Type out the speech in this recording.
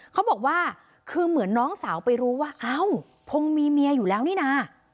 เขาบอกว่าคือเหมือนน้องสาวไปรู้ว่าเอ้าพงษ์มีเมียอยู่แล้วนี่นะ